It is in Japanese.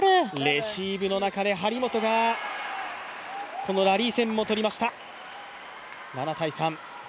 レシーブの中で張本が、このラリー戦も取りました。